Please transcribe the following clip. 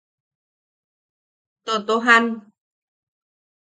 Totojan.